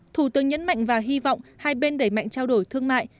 thủ tướng nhấn mạnh và hy vọng hai bên đẩy mạnh trao đổi thương mại